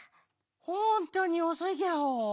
ほんとにおそいギャオ。